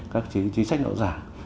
các chính sách rõ ràng